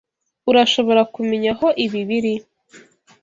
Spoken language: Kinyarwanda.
Urashobora kumenya aho ibi biri?